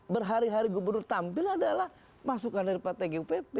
berhari hari gubernur tampil adalah masukan dari pak tgupp